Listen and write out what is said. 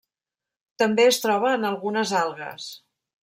També es troba en algunes algues.